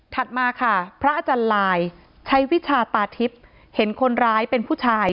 มาค่ะพระอาจารย์ลายใช้วิชาตาทิพย์เห็นคนร้ายเป็นผู้ชาย